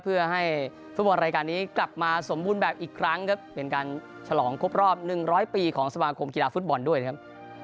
เพื่อให้ฟุตบอลรายการนี้กลับมาสมบูรณ์แบบอีกครั้งครับเป็นการฉลองครบรอบ๑๐๐ปีของสมาคมกีฬาฟุตบอลด้วยครับ